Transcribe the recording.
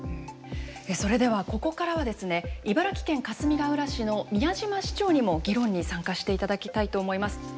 それではここからはですね茨城県かすみがうら市の宮嶋市長にも議論に参加していただきたいと思います。